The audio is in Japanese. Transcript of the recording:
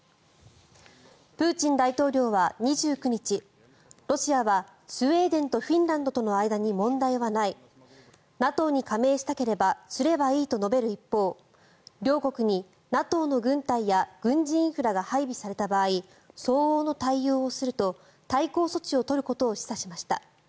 プーチン大統領は２９日ロシアはスウェーデンとフィンランドとの間に問題はないＮＡＴＯに加盟したければすればいいと述べる一方両国にＮＡＴＯの軍隊や軍事インフラが配備された場合相応の対応をすると対抗措置を取ることを示唆しました。